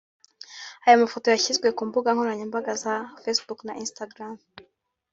Aya mafoto yashyizwe ku mbuga nkoranyambaga za facebook na Instagram